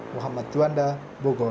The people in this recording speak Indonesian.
muhammad juanda bogor